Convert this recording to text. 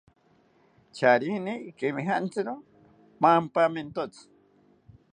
Charini ikemijantziro mampamentotzi